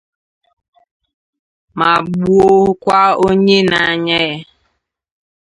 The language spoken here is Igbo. ma gbuokwa onye na-ányà ya